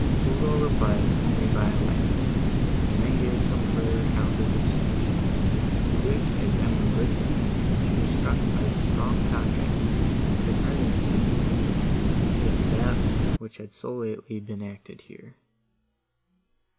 Ugo replied only by a laugh, and then gave some further account of the siege, to which as Emily listened, she was struck by the strong contrast of the present scene with that which had so lately been acted here.